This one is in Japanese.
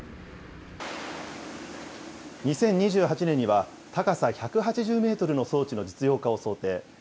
２０２８年には、高さ１８０メートルの装置の実用化を想定。